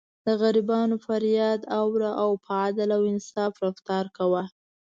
د غریبانو فریاد اوره او په عدل او انصاف رفتار کوه.